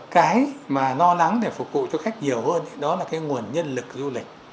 cái mà lo lắng để phục vụ cho khách nhiều hơn đó là cái nguồn nhân lực du lịch